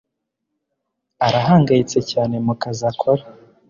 arahangayitse cyane mukazi akora